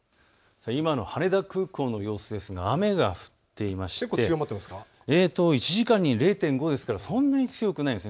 今の羽田空港の様子ですが雨が降っていまして１時間に０．５ですからそんなに強くないです。